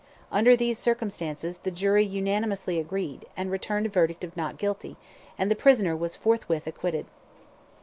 Under these circumstances, the jury unanimously agreed, and returned a verdict of 'Not guilty,' and the prisoner was forthwith acquitted.